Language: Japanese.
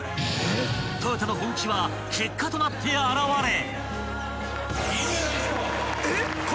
［トヨタの本気は結果となって表れ］